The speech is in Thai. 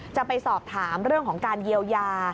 จะไปสอบถามเรื่องของการเยียวยา